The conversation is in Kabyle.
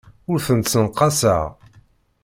Ur tent-ssenqaseɣ.